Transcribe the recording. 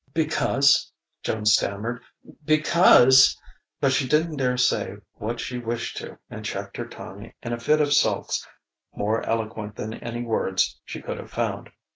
"Because," Joan stammered "because !" But she didn't dare say what she wished to, and checked her tongue in a fit of sulks more eloquent than any words she could have found.